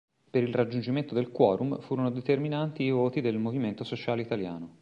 Per il raggiungimento del "quorum", furono determinanti i voti del Movimento Sociale Italiano.